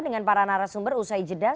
dengan para narasumber usai jeda